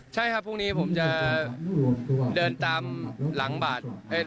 ใช่ครับพรุ่งนี้ผมจะเดินตามหลังบาท